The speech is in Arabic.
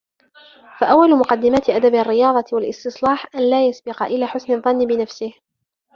فَأَوَّلُ مُقَدَّمَاتِ أَدَبِ الرِّيَاضَةِ وَالِاسْتِصْلَاحِ أَنْ لَا يَسْبِقَ إلَى حُسْنِ الظَّنِّ بِنَفْسِهِ